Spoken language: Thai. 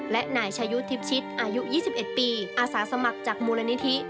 และนายชายุทธ์ทิพย์ชิตอายุ๒๑ปีอาสาสมัครจากมูลนิธิ